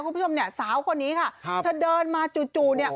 คุณผู้ชมเนี่ยสาวคนนี้ค่ะครับเธอเดินมาจู่จู่เนี่ย